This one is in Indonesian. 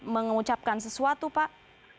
mengucapkan sesuatu pak